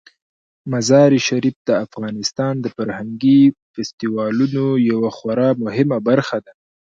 مزارشریف د افغانستان د فرهنګي فستیوالونو یوه خورا مهمه برخه ده.